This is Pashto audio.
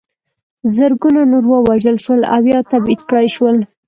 زرګونه نور ووژل شول او یا تبعید کړای شول.